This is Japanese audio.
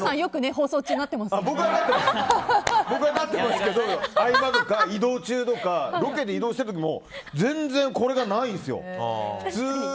僕はなってますけど、合間とかロケで移動してる時も全然、これがないんですよ。